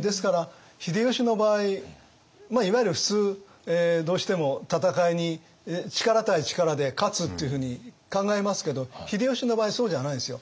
ですから秀吉の場合いわゆる普通どうしても戦いに力対力で勝つっていうふうに考えますけど秀吉の場合そうじゃないんですよ。